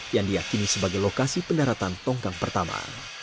yang diakini sebagai lokasi pendaratan tongkang pertama